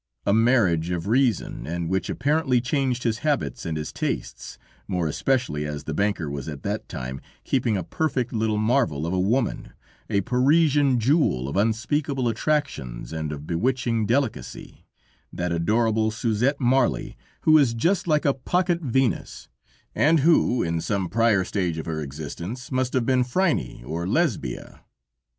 A marriage of reason, and which apparently changed his habits and his tastes, more especially as the banker was at that time keeping a perfect little marvel of a woman, a Parisian jewel of unspeakable attractions and of bewitching delicacy, that adorable Suzette Marly who is just like a pocket Venus, and who in some prior stage of her existence must have been Phryne or Lesbia.